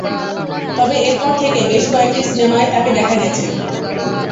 তবে এরপর থেকে বেশ কয়েকটি সিনেমায় তাকে দেখা গেছে।